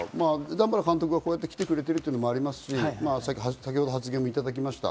段原監督がこのように来てくれてるというのもありますし、先ほど発言もいただきました。